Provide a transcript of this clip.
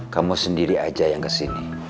kamu sendiri aja yang kesini